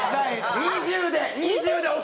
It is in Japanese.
２０で！